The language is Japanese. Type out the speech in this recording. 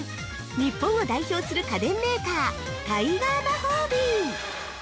日本を代表する家電メーカータイガー魔法瓶。